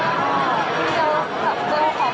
ขอบคุณครับขอบคุณครับ